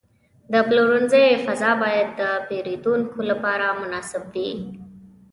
د پلورنځي فضا باید د پیرودونکو لپاره مناسب وي.